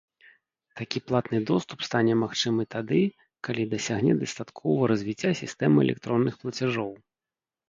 Такі платны доступ стане магчымы тады, калі дасягне дастатковага развіцця сістэма электронных плацяжоў.